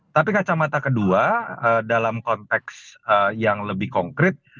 tapi kacamata kedua dalam konteks yang lebih konkret